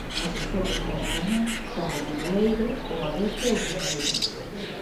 As especies máis comúns son o bidueiro, o abeto e o piñeiro